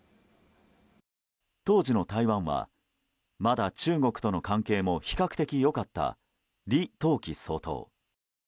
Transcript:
当時の台湾はまだ中国との関係も比較的良かった李登輝総統。